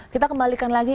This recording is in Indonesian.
kita kembalikan lagi